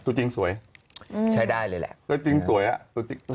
ตัวจริงสวยใช้ได้เลยแหละตัวจริงสวยอ่ะ